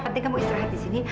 penting kamu istirahat di sini